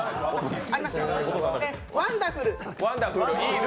ワンダフル。